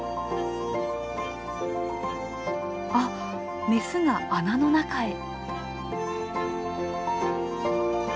あっメスが穴の中へ。